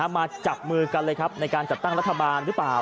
มาจับมือกันเลยครับในการจัดตั้งรัฐบาลหรือเปล่า